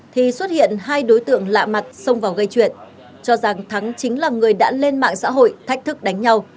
thì xuất hiện hai đối tượng lạ mặt xông vào gây chuyện cho rằng thắng chính là người đã lên mạng xã hội thách thức đánh nhau